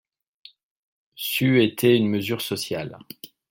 C’eût été une mesure sociale